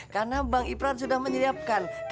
karena bang iprah pengen banget ngelamar yayang eyak